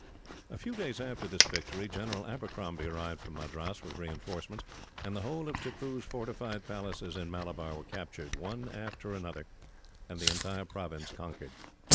A few days after this victory, General Abercrombie arrived from Madras with reinforcements, and the whole of Tippoo's fortified places in Malabar were captured, one after another, and the entire province conquered.